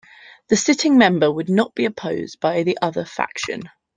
The sitting member would not be opposed by the other faction.